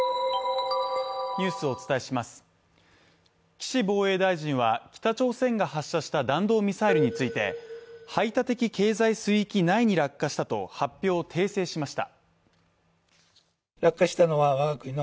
岸防衛大臣は、北朝鮮が発射した弾道ミサイルについて排他的経済水域内に落下したと発表を訂正しました。